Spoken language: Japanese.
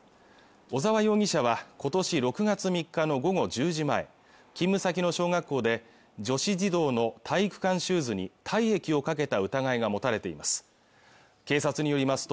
小沢容疑者はことし６月３日の午後１０時前勤務先の小学校で女子児童の体育館シューズに体液をかけた疑いが持たれています